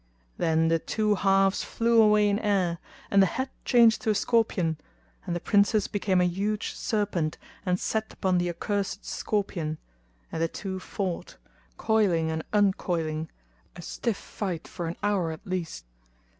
Then the two halves flew away in air and the head changed to a scorpion and the Princess became a huge serpent and set upon the accursed scorpion, and the two fought, coiling and uncoiling, a stiff fight for an hour at least.